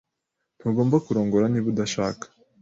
Ntugomba kurongora niba udashaka.